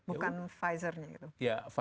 bukan pfizer nya gitu